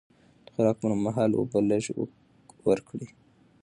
د خوراک پر مهال اوبه لږ ورکړئ.